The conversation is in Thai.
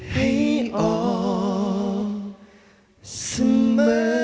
ให้ออกเสมอ